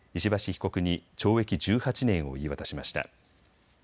被告に懲役１８年を言い渡しました。